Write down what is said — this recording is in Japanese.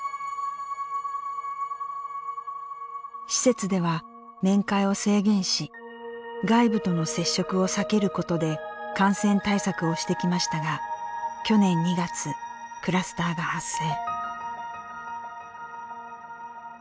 施設では、面会を制限し外部との接触を避けることで感染対策をしてきましたが去年２月、クラスターが発生。